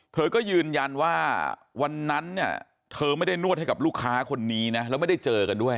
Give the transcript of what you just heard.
เธอก็ยืนยันว่าวันนั้นเนี่ยเธอไม่ได้นวดให้กับลูกค้าคนนี้นะแล้วไม่ได้เจอกันด้วย